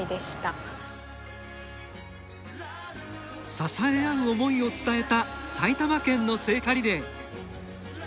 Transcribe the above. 支え合う思いを伝えた埼玉県の聖火リレー。